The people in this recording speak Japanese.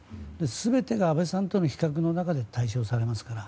全てが安倍さんとの比較の中で対照されますから。